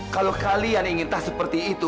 kalau kalian ingin tah seperti itu